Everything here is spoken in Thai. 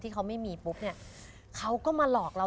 เขาก็มาหลอกเรา